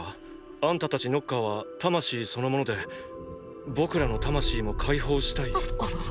あんたたちノッカーは魂そのもので僕らの魂も解放したいと？